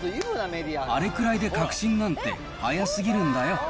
あれくらいで確信なんて早すぎるんだよ。